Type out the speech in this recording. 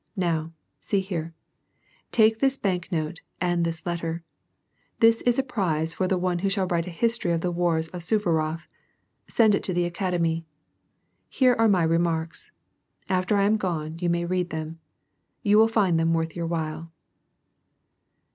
Now; see here, take this bank note and this letter: this is a prize for the one who sliall write a history of the wars of Suvarof ; send it to the Aciwlemy. Here are my re marks ; after I am gone you may read them ; you will find them worth your while."